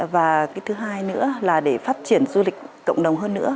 và cái thứ hai nữa là để phát triển du lịch cộng đồng hơn nữa